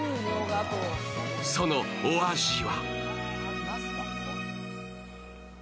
そのお味は？